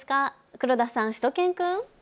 黒田さん、しゅと犬くん。